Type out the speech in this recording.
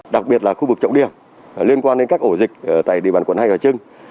đặc biệt là khu vực trọng điểm liên quan đến các ổ dịch tại địa bàn quận hai bà trưng